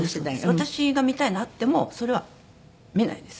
私が見たいのあってもそれは見ないです